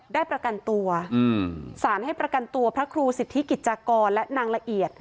ได้ประกันตัวสารให้ประกันตัวพระครูสิทธิกิจจากรและนางละเอียด